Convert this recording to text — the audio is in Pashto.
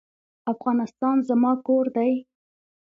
افغانستان زما کور دی؟